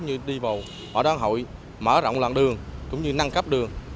như đi vào mỏ đá an hội mở rộng loạn đường cũng như năng cấp đường